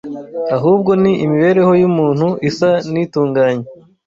ahubwo ni imibereho y’umuntu isa n’itunganye